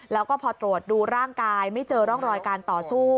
แล้วก็พอตรวจดูร่างกายไม่เจอร่องรอยการต่อสู้